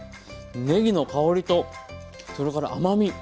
ねぎの香りとそれから甘み。